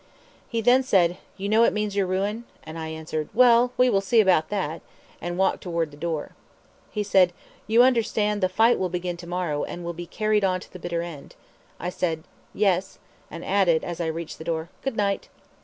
He then said, "You know it means your ruin?" and I answered, "Well, we will see about that," and walked toward the door. He said, "You understand, the fight will begin to morrow and will be carried on to the bitter end." I said, "Yes," and added, as I reached the door, "Good night."